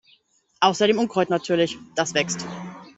Außer dem Unkraut natürlich, das wächst.